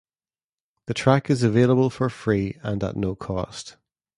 The track is available for free and at no cost.